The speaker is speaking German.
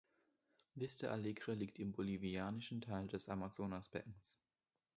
Vista Alegre liegt im bolivianischen Teil des Amazonasbeckens.